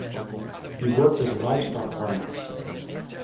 He worked as a livestock farmer.